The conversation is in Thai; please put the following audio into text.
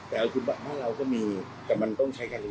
แต่มันต้องใช้การลงทุนเยอะ